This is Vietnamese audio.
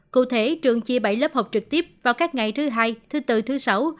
cụ thể trường chia bảy lớp học trực tiếp vào các ngày thứ hai thứ bốn thứ sáu